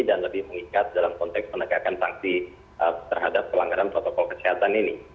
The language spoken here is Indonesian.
dan lebih mengikat dalam konteks penegakan sanksi terhadap pelanggaran protokol kesehatan ini